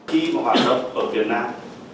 khi mà hoạt động ở việt nam